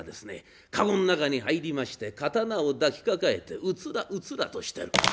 駕籠の中に入りまして刀を抱きかかえてうつらうつらとしてる。